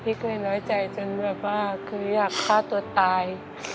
เคยน้อยใจจนแบบว่าคืออยากฆ่าตัวตาย